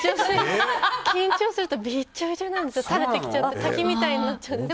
緊張するとびちょびちょになるんです垂れてきちゃって滝みたいになっちゃって。